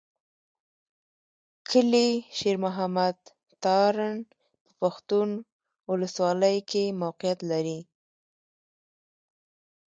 کلي شېر محمد تارڼ په پښتون اولسوالۍ کښې موقعيت لري.